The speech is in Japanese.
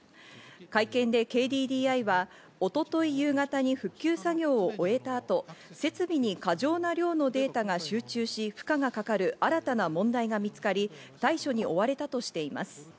会見でＫＤＤＩは一昨日、夕方に復旧作業を終えた後、設備に過剰な量のデータが集中し、負荷がかかる新たな問題が見つかり、対処に追われたとしています。